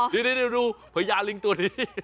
เดี๋ยวดูพญาลิงตัวนี้